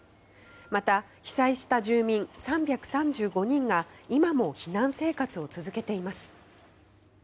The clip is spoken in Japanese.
また、被災した住民３３５人が今も避難生活を続けています。